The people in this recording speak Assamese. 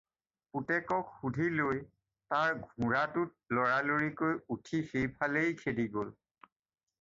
পুতেকক সুধি লৈ তাৰ ঘোঁৰাটোত লৰালৰিকৈ উঠি সেইফালেই খেদি গ’ল।